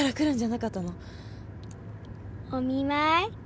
お見舞い？